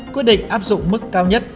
quyết định áp dụng mức cao nhất